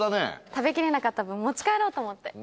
食べきれなかった分、持ち帰ろうと思って。